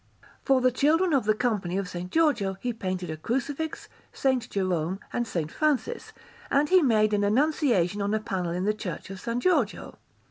For the children of the Company of S. Giorgio he painted a Crucifix, S. Jerome, and S. Francis; and he made an Annunciation on a panel in the Church of S. Giorgio.